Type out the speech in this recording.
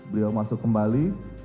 beliau masuk kembali